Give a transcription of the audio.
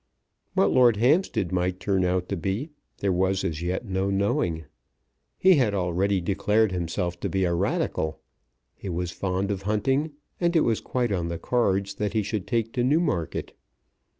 What Lord Hampstead might turn out to be, there was as yet no knowing. He had already declared himself to be a Radical. He was fond of hunting, and it was quite on the cards that he should take to Newmarket.